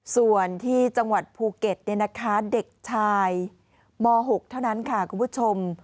ส่วนที่จังหวัดภูเก็ตเด็กชายม๖เท่านั้นค่ะคุณผู้ชม